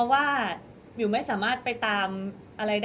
ก็ต้องฝากพี่สื่อมวลชนในการติดตามเนี่ยแหละค่ะ